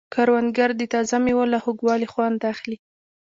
کروندګر د تازه مېوو له خوږوالي خوند اخلي